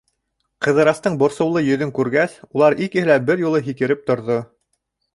Ҡыҙырастың борсоулы йөҙөн күргәс, улар икеһе лә бер юлы һикереп торҙо.